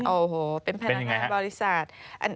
โอ้โหเป็นพนักงานบริษัท